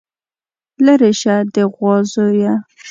ليرې شه د غوا زويه.